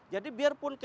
jadi biar positif